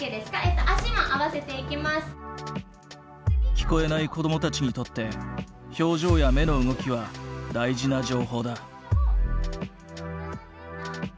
聞こえない子どもたちにとって表情や目の動きは大事な情報だ。